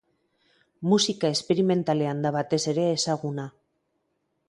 Musika esperimentalean da batez ere ezaguna.